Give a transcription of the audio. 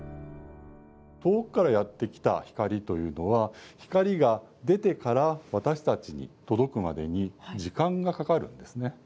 遠くからやって来た光というのは光が出てから私たちに届くまでに時間がかかるんですね。